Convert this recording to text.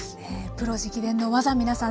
プロ直伝の技皆さん